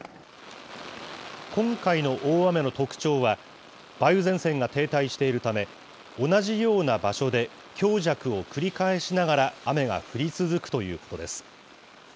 今回の大雨の特徴は、梅雨前線が停滞しているため、同じような場所で強弱を繰り返しながら雨が降り続くということです。